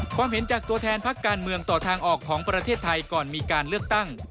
ความเห็นจากตัวแทนพักการเมืองต่อทางออกของประเทศไทยก่อนมีการเลือกตั้ง